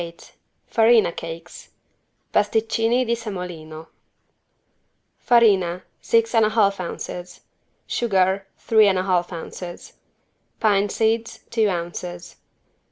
198 FARINA CAKES (Pasticcini di semolino) Farina, six and a half ounces. Sugar, three and a half ounces. Pine seeds, two ounces.